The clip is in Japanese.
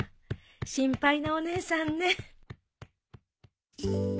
心配なお姉さんね。